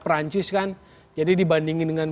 perancis kan jadi dibandingin dengan